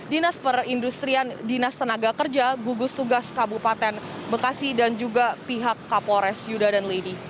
dinas perindustrian dinas tenaga kerja gugus tugas kabupaten bekasi dan juga pihak kapolres yuda dan lady